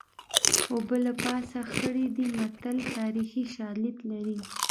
اوبه له پاسه خړې دي متل تاریخي شالید لري